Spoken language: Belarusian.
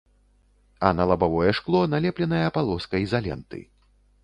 А на лабавое шкло налепленая палоска ізаленты.